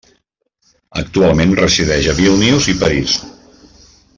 Actualment resideix a Vílnius i París.